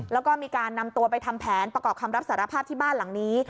แล้วก็มีการนำตัวไปทำแผนประกอบคำรับสารภาพที่บ้านหลังนี้